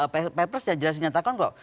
pppl sudah jelas dinyatakan kok